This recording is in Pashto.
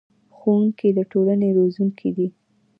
ښوونکي د ټولنې روزونکي دي